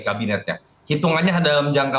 kabinetnya hitungannya dalam jangka